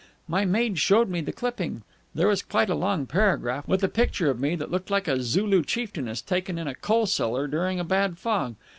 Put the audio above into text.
My maid showed me the clipping. There was quite a long paragraph, with a picture of me that looked like a Zulu chieftainess taken in a coal cellar during a bad fog.